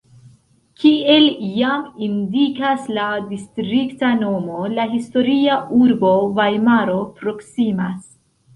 Kiel jam indikas la distrikta nomo, la historia urbo Vajmaro proksimas.